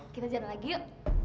kita jalan lagi yuk